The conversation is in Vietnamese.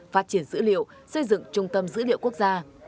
phát triển dữ liệu xây dựng trung tâm dữ liệu quốc gia